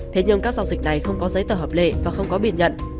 thế nhưng các giao dịch này không có giấy tờ hợp lệ và không có biển nhận